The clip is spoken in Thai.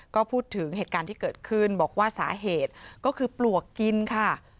ก็พูดถึงเหตุการณ์ที่เกิดขึ้นบอกว่าสาเหตุก็คือปลวกกินค่ะ